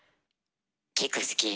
結構好き。